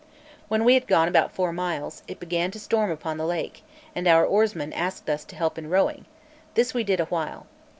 When we had gone about four miles, it began to storm upon the lake, and our oarsmen asked us to help in rowing; this we did awhile.